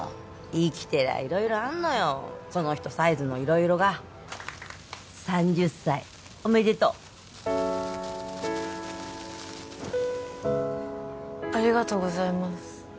生きてりゃ色々あんのよその人サイズの色々が３０歳おめでとうありがとうございます